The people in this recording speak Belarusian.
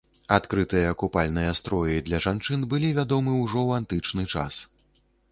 Адкрытыя купальныя строі для жанчын былі вядомы ўжо ў антычны час.